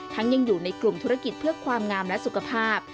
ยังอยู่ในกลุ่มธุรกิจเพื่อความงามและสุขภาพ